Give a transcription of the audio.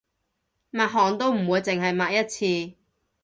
抹汗都唔會淨係抹一次